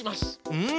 うん！